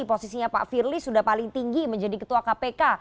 posisinya pak firly sudah paling tinggi menjadi ketua kpk